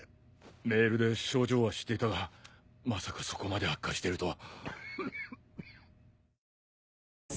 メールで症状は知っていたがまさかそこまで悪化しているとは。